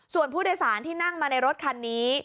ส่วนผู้โดยสารที่นั่งมาในรถคันนี้